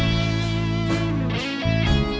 เพลงนี้